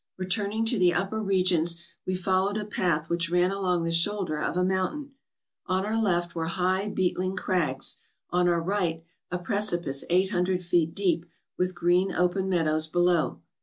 Returning to the upper regions, we followed a path which ran along the shoulder of a mountain. On our left were high beetling crags, on our right a precipice eight hundred feet deep, with green open meadows below.